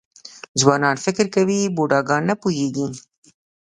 ځوانان فکر کوي بوډاګان نه پوهېږي .